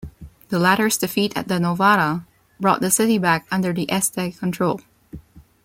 The latter's defeat at the Novara brought the city back under the Este control.